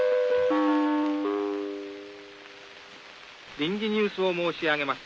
「臨時ニュースを申し上げます。